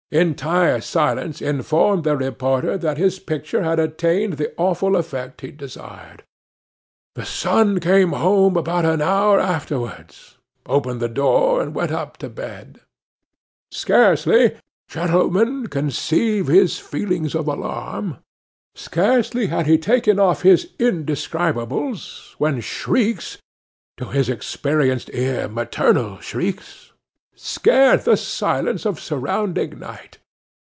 (Entire silence informed the reporter that his picture had attained the awful effect he desired.) 'The son came home about an hour afterwards, opened the door, and went up to bed. Scarcely (gentlemen, conceive his feelings of alarm), scarcely had he taken off his indescribables, when shrieks (to his experienced ear maternal shrieks) scared the silence of surrounding night.